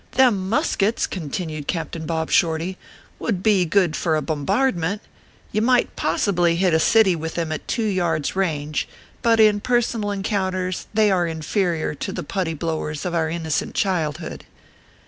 Them muskets/ continued Captain Bob Shorty, "would be good for a bombardment. You might possibly hit a city with them at two yards range ; but in personal encounters they are inferior to the putty blowers of our innocent childhood."